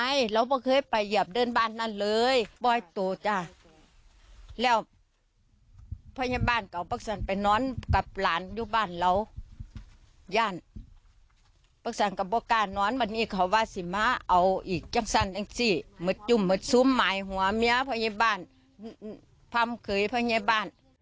อยู่ที่ความภูมิสูงของสามีพระเจ้าจึงค่ะ